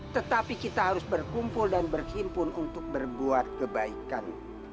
tetapi kita harus berkumpul dan berhimpun untuk berbuat kebaikan